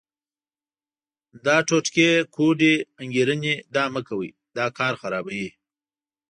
دا ټوټکې، کوډې، انګېرنې دا مه کوئ، دا کار خرابوي.